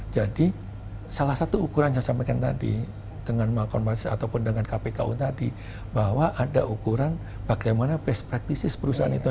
jadi salah satu ukuran saya sampaikan tadi dengan malcon basis ataupun dengan kpku tadi bahwa ada ukuran bagaimana best practices perusahaan itu